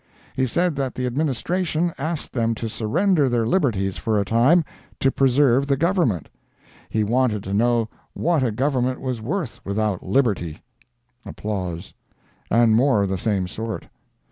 He said that the Administration asked them to surrender their liberties for a time, to preserve the Government; he wanted to know what a Government was worth without liberty, and more of the same sort.